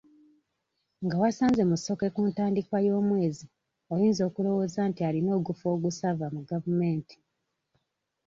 Nga wasanze Musoke ku ntandikwa y'omwezi oyinza okulowooza nti alina ogufo ogusava mu gavumenti.